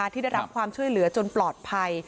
ที่ได้รับความช่วยเหลือจนปลอดภัย